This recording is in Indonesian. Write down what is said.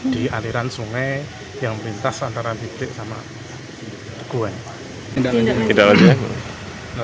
di aliran sungai yang pintas antara bidik sama teguen